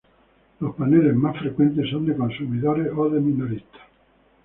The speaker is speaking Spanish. Los paneles más frecuentes son de consumidores o de minoristas.